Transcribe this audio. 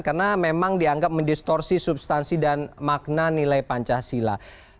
karena memang dianggap mendistorsi substansi dan makna nilai pancasila